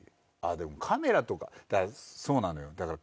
あっでもカメラとかそうなのよ。